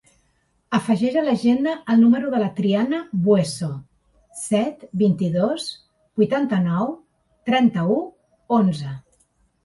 Afegeix a l'agenda el número de la Triana Bueso: set, vint-i-dos, vuitanta-nou, trenta-u, onze.